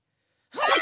はい！